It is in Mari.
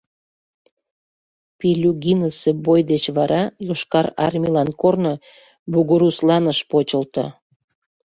Пильугинысе бой деч вара Йошкар армийлан корно Бугурусланыш почылто.